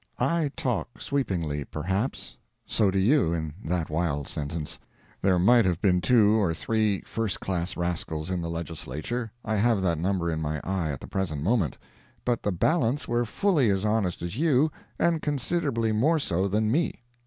I talk sweepingly, perhaps—so do you, in that wild sentence. There might have been two or three first class rascals in the Legislature—I have that number in my eye at the present moment—but the balance were fully as honest as you, and considerably more so than me.